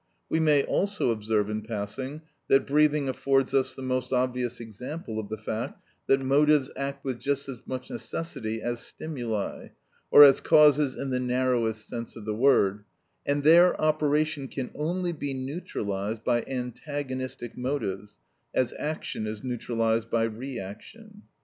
We may also observe in passing that breathing affords us the most obvious example of the fact that motives act with just as much necessity as stimuli, or as causes in the narrowest sense of the word, and their operation can only be neutralised by antagonistic motives, as action is neutralised by re action.